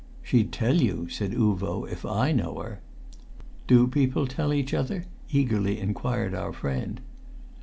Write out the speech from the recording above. "She'd tell you," said Uvo, "if I know her." "Do people tell each other?" eagerly inquired our friend.